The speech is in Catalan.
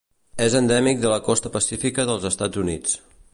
És endèmic de la costa pacífica dels Estats Units.